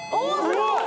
すごい。